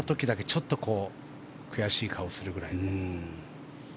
ちょっと悔しい顔をするぐらい。